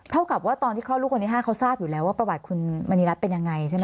เท่ากับว่าตอนที่คลอดลูกคนที่๕เขาทราบอยู่แล้วว่าประวัติคุณมณีรัฐเป็นยังไงใช่ไหม